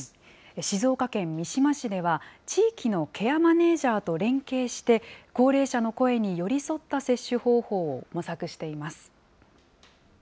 静岡県三島市では、地域のケアマネージャーと連携して、高齢者の声に寄り添った接種方法を模索しています。